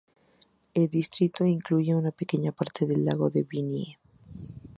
El distrito incluye una pequeña parte del lago de Bienne.